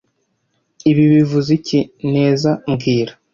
Ibi bivuze iki, neza mbwira